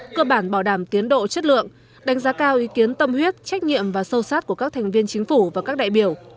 cơ bản bảo đảm tiến độ chất lượng đánh giá cao ý kiến tâm huyết trách nhiệm và sâu sát của các thành viên chính phủ và các đại biểu